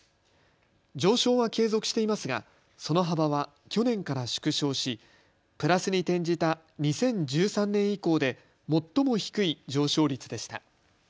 上昇は継続していますがその幅は去年から縮小しプラスに転じた２０１３年以降で最も低い上昇率でした。